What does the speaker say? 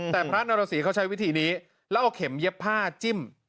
แต่พระนรสีเขาใช้วิธีนี้แล้วเอาเข็มเย็บผ้าจิ้ม